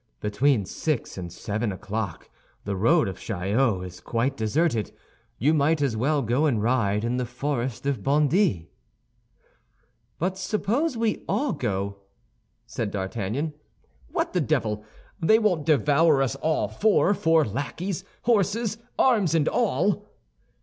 "Between six and seven o'clock the road of Chaillot is quite deserted; you might as well go and ride in the forest of Bondy." "But suppose we all go," said D'Artagnan; "what the devil! They won't devour us all four, four lackeys, horses, arms, and all!"